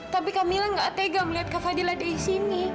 tapi kak mila nggak tega melihat kak fadil ada di sini